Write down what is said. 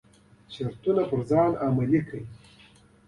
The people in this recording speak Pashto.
شرایط په ځان عملي کړي.